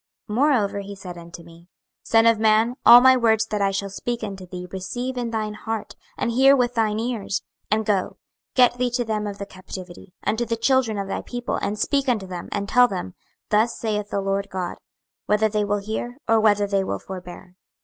26:003:010 Moreover he said unto me, Son of man, all my words that I shall speak unto thee receive in thine heart, and hear with thine ears. 26:003:011 And go, get thee to them of the captivity, unto the children of thy people, and speak unto them, and tell them, Thus saith the Lord GOD; whether they will hear, or whether they will forbear.